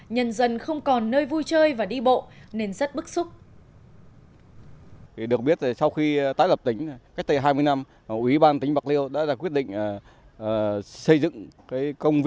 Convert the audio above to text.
nhân dân không còn nơi vui chơi và đi bộ nên rất bức xúc